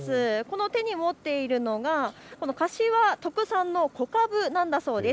手に持っているのは柏特産の小かぶなんだそうです。